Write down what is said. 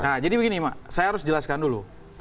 nah jadi begini saya harus jelaskan dulu